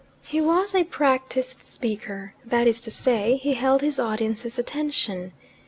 He was a practised speaker that is to say, he held his audience's attention.